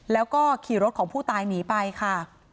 แล้วก็ขี่รถของผู้ตายหนีไปค่ะ